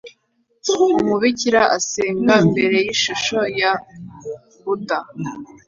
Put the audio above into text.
Umubikira asenga mbere yishusho ya buddha